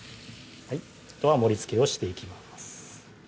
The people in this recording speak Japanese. あとは盛りつけをしていきます